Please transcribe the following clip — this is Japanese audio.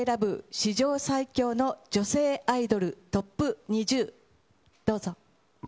史上最強の女性アイドルＴＯＰ２０、どうぞ。